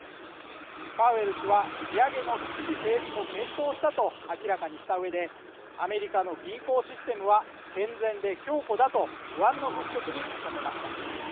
パウエル氏は、利上げの一時停止も検討したと明らかにした上で、アメリカの銀行システムは健全で強固だと不安の払拭に努めました。